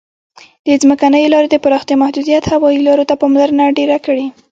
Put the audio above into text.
د ځمکنیو لارو د پراختیا محدودیت هوایي لارو ته پاملرنه ډېره کړې.